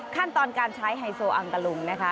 ขั้นตอนการใช้ไฮโซอังตะลุงนะคะ